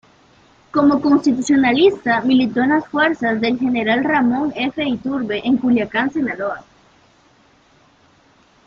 Como constitucionalista, militó en las fuerzas del general Ramón F. Iturbe en Culiacán, Sinaloa.